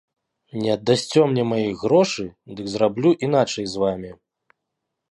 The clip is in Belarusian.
Не аддасцё мне маіх грошы, дык зраблю іначай з вамі!